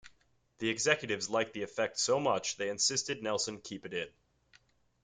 The executives liked the effect so much, they insisted Nelson keep it in.